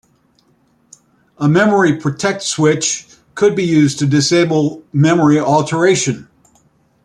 A "memory protect" switch could be used to disable memory alteration.